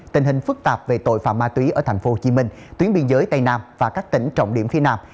tình hình phức tạp về tội phạm ma túy ở tp hcm tuyến biên giới tây nam và các tỉnh trọng điểm phía nam